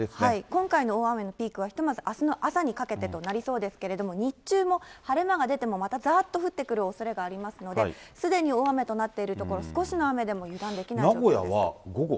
今回の大雨のピークはひとまずあすの朝にかけてとなりそうですけど、日中も晴れ間が出てもまだざーっと降ってくるおそれがありますので、すでに大雨となっている所、少しの雨でも油断できない状態です。